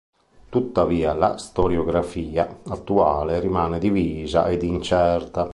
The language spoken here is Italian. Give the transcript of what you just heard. Tuttavia, la storiografia attuale rimane divisa ed incerta.